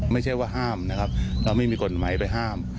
ไม่ใช่ว่าห้ามนะครับเราไม่มีกฎหมายไปห้าม